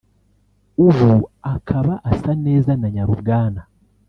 ubu akaba asa neza neza na nyarubwana